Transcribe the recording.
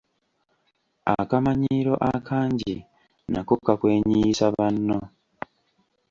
Akamanyiiro akangi nako kakwenyiyisa banno.